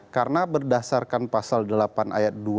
karena berdasarkan pasal delapan ayat dua